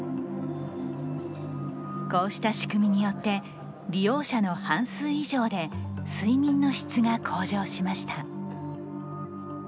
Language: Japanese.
こうした仕組みによって利用者の半数以上で睡眠の質が向上しました。